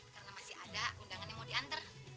karena masih ada undangan yang mau diantar